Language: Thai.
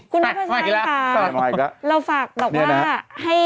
คุณนกประชัยค่ะเราฝากแบบว่า